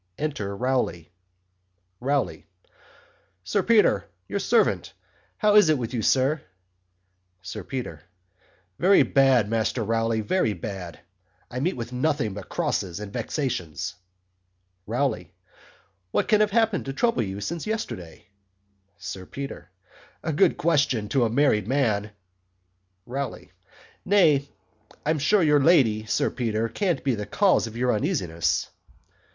Enter ROWLEY ROWLEY. Sir Peter, your servant: how is 't with you Sir SIR PETER. Very bad Master Rowley very bad[.] I meet with nothing but crosses and vexations ROWLEY. What can have happened to trouble you since yesterday? SIR PETER. A good question to a married man ROWLEY. Nay I'm sure your Lady Sir Peter can't be the cause of your uneasiness.